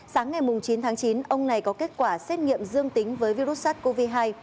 sáng ngày chín tháng chín ông này có kết quả xét nghiệm dương tính với virus sars cov hai